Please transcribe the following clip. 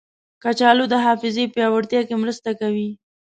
کچالو د حافظې پیاوړتیا کې مرسته کوي.